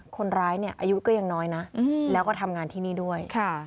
คนร้ายเนี่ยอายุก็ยังน้อยนะแล้วก็ทำงานที่นี่ด้วย